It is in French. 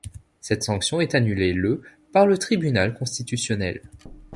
Cette sanction est annulée le par le Tribunal constitutionnel.